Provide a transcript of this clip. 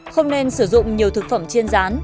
không nên sử dụng nhiều thực phẩm chiên rán